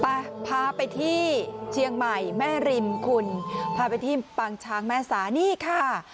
ไปพาไปที่เชียงใหม่แม่ริมคุณพาไปที่ปางช้างแม่สานี่ค่ะ